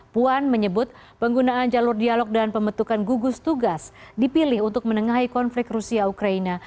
puan menyebut penggunaan jalur dialog dan pembentukan gugus tugas dipilih untuk menengahi konflik rusia ukraina